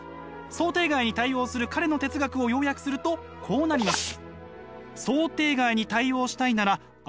想定外に対応する彼の哲学を要約するとこうなります。